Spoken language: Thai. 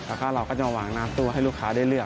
แล้วก็เราก็จะวางน้ำตู้ให้ลูกค้าได้เลือก